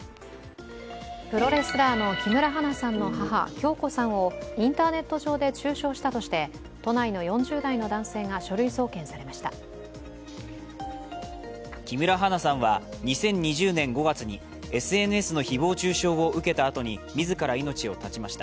プロレスラーの木村花さんの母・響子さんをインターネット上で中傷したとして都内の４０代の男性が書類送検されました。